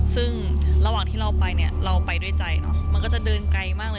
ซึ่งระหว่างที่เราไปเนี่ยเราไปด้วยใจเนอะมันก็จะเดินไกลมากเลย